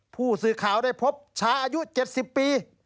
ผู้สื่อข่าวได้พบชายอายุ๗๐ปี